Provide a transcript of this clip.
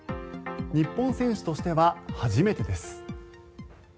日本人選手としては初めてです。